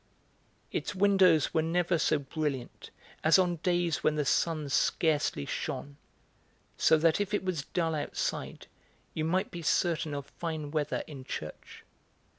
Its windows were never so brilliant as on days when the sun scarcely shone, so that if it was dull outside you might be certain of fine weather in church.